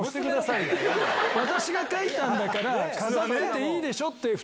私が描いたんだから飾っていいでしょ！って。